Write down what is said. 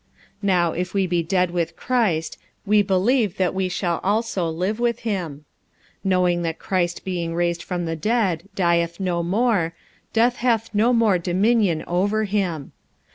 45:006:008 Now if we be dead with Christ, we believe that we shall also live with him: 45:006:009 Knowing that Christ being raised from the dead dieth no more; death hath no more dominion over him.